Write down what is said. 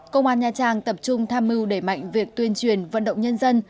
công an nha trang tập trung tham mưu đẩy mạnh việc tuyên truyền vận động nhân dân